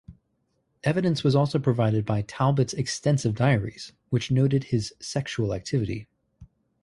Evidence was also provided by Talbot's extensive diaries, which noted his sexual activity.